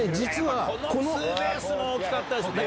このツーベースも大きかったですね。